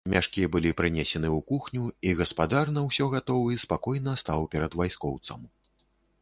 Мяшкі былі прынесены ў кухню, і гаспадар, на ўсё гатовы, спакойна стаў перад вайскоўцам.